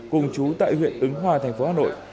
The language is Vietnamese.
cùng chú tại huyện ứng hòa tp hà nội